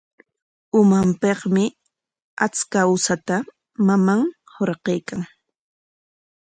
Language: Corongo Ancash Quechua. Umanpikmi achka usata maman hurquykan.